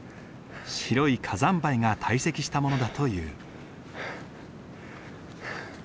白い火山灰が堆積したものだという。